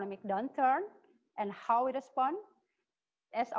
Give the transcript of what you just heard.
kami telah membaca artikel anda tentang shape nike